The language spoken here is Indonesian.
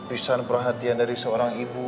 pisan perhatian dari seorang ibu